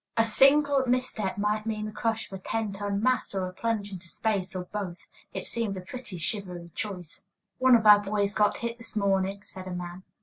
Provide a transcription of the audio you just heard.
A single misstep might mean the crush of a ten ton mass, or a plunge into space, or both. It seemed a pretty shivery choice. "One of our boys got hit this morning," said a man.